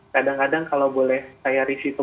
kadang kadang kalau boleh saya risiko